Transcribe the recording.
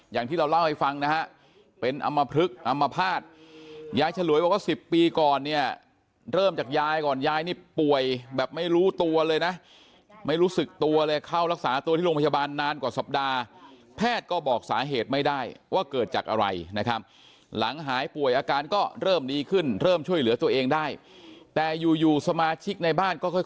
อย่างที่เราเล่าให้ฟังนะฮะเป็นอำมพลึกอำมภาษยายฉลวยบอกว่า๑๐ปีก่อนเนี่ยเริ่มจากยายก่อนยายนี่ป่วยแบบไม่รู้ตัวเลยนะไม่รู้สึกตัวเลยเข้ารักษาตัวที่โรงพยาบาลนานกว่าสัปดาห์แพทย์ก็บอกสาเหตุไม่ได้ว่าเกิดจากอะไรนะครับหลังหายป่วยอาการก็เริ่มดีขึ้นเริ่มช่วยเหลือตัวเองได้แต่อยู่อยู่สมาชิกในบ้านก็ค่อย